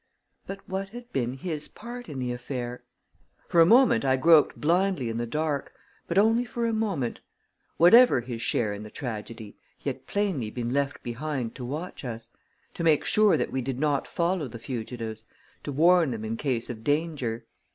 But what had been his part in the affair? For a moment, I groped blindly in the dark, but only for a moment. Whatever his share in the tragedy, he had plainly been left behind to watch us; to make sure that we did not follow the fugitives; to warn them in case of danger.